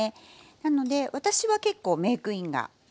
なので私は結構メークインがおすすめです。